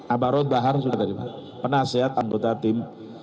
abah raud bahar penasihat anggota tim sebelas